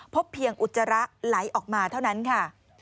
พบเพียงอุจจาระไหลออกมาเท่านั้นค่ะ